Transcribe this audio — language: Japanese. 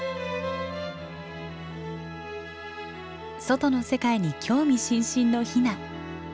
外の世界に興味津々のヒナ。